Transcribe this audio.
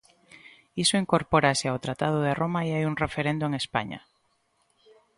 Iso incorpórase ao Tratado de Roma e hai un referendo en España.